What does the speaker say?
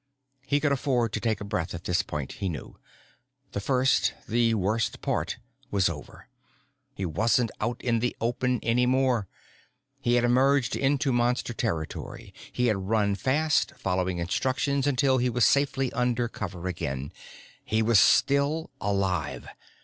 He could afford to take a breath at this point, he knew. The first, the worst part was over. He wasn't out in the open any more. He had emerged into Monster territory. He had run fast, following instructions until he was safely under cover again. He was still alive.